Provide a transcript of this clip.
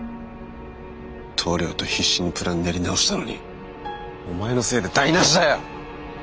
棟梁と必死にプラン練り直したのにお前のせいで台なしだよ！